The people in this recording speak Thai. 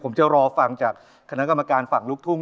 ผมจะรอฟังจากคณะกรรมการฝั่งลูกทุ่ง